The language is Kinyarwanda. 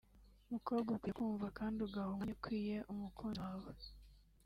mukobwa ukwiye kumva kandi ugaha umwanya ukwiye umukunzi wawe